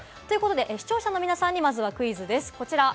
視聴者の皆さんにまずはクイズです。